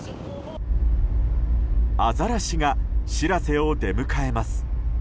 アザラシが「しらせ」を出迎えます。